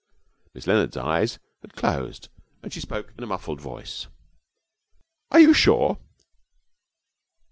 Miss Leonard's eyes had closed and she spoke in a muffled voice. 'Are you sure?'